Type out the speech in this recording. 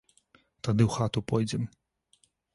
Тады ў хату пойдзем.